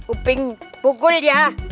upin pukul ya